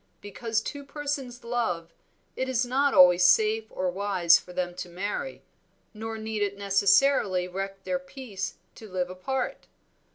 Because two persons love, it is not always safe or wise for them to marry, nor need it necessarily wreck their peace to live apart.